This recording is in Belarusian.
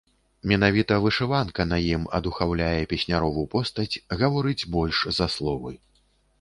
Менавіта вышыванка на ім адухаўляе песнярову постаць, гаворыць больш за словы.